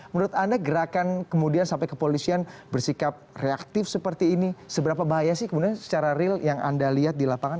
menurut anda gerakan kemudian sampai kepolisian bersikap reaktif seperti ini seberapa bahaya sih kemudian secara real yang anda lihat di lapangan